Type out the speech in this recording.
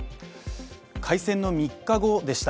開戦の３日後でした。